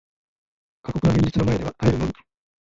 過酷な現実の前では耐えるのみ